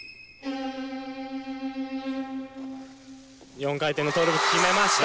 ４回転のトーループ決めました。